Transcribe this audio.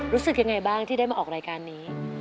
รู้สึกยังไงบ้างที่ได้มาออกรายการนี้